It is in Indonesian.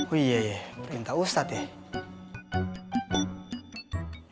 ui perintah ustadz ya